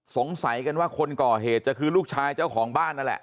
สงสัยกันว่าคนก่อเหตุจะคือลูกชายเจ้าของบ้านนั่นแหละ